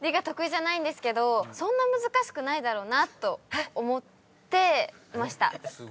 得意じゃないんですけどそんな難しくないだろうなと思ってました。